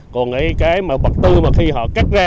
còn cái bật tư mà khi họ cắt ra